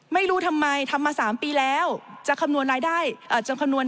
ไม่รู้ทำไมทำมา๓ปีแล้วจะคำนวณรายได้จำนวน